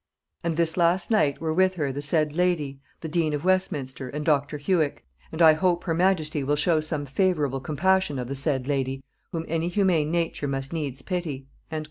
And this last night were with her the said lady, the dean of Westminster, and Dr. Huick, and I hope her majesty will show some favorable compassion of the said lady, whom any humane nature must needs pity."